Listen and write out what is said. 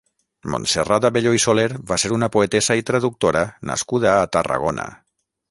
Montserrat Abelló i Soler va ser una poetessa i traductora nascuda a Tarragona.